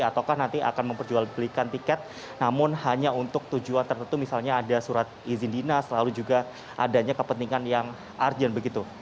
atau nanti akan memperjualbelikan tiket namun hanya untuk tujuan tertentu misalnya ada surat izin dinas lalu juga adanya kepentingan yang urgent begitu